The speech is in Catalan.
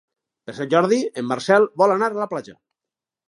Per Sant Jordi en Marcel vol anar a la platja.